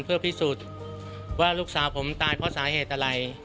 เพื่อพิสูจน์ว่าลูกสาวผมตายเพราะสาเหตุอะไร